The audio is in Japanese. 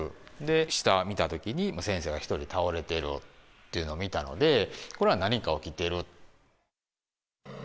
下見たときに、先生が１人倒れてるというのを見たので、これは何か起きていると。